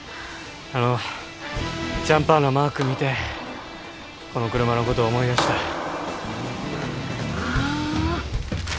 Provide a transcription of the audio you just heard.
あのジャンパーのマーク見てこの車のこと思い出したああ